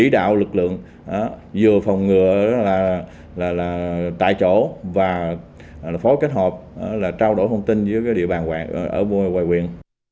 chỉ đạo lực lượng vừa phòng ngừa tại chỗ và phối kết hợp là trao đổi thông tin với địa bàn ở quầy quyền